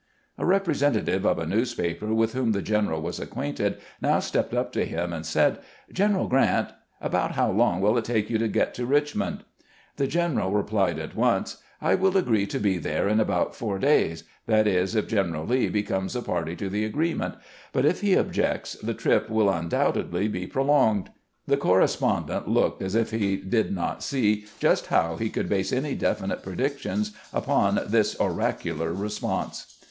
A representative of a newspaper, with whom the general was acquainted, now stepped up to him and said, " General Grant, about how long will it take you to get to Richmond !" The general replied at once :" I will agree to be there in about four days — that is, if General Lee becomes a party to the agreement ; but if 44 CAMPAIGNING WITH GKANT he objects, the trip will undoubtedly be prolonged." The correspondent looked as if he did not see just how he could base any definite predictions upon this oracu lar response.